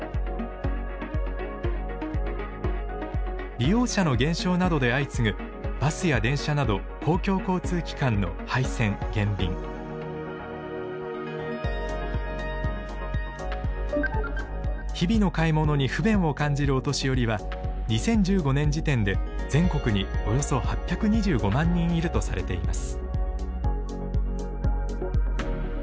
利用者の減少などで相次ぐバスや電車など日々の買い物に不便を感じるお年寄りは２０１５年時点で全国におよそ８２５万人いるとされています。